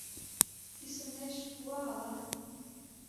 Кӱсынеш пуа ала?»